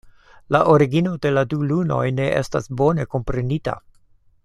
La origino de la du lunoj ne estas bone komprenita.